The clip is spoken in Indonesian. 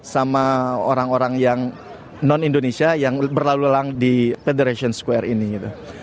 sama orang orang yang non indonesia yang berlalu lalang di federation square ini gitu